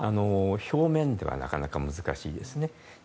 表面ではなかなか難しいですね。